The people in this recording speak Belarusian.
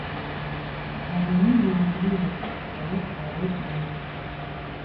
На вайне я люблю яго, далёкае, роднае.